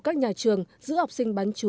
các nhà trường giữ học sinh bán chú